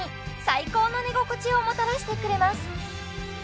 最高の寝心地をもたらしてくれます